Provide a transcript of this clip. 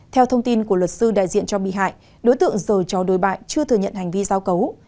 theo thông tin của luật sư đại diện cho bị hại đối tượng rồi cho đối bại chưa thừa nhận hành vi giao cấu